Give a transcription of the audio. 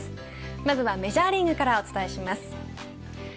まずはメジャーリーグからお伝えします。